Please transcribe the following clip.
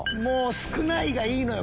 少ないがいいのよ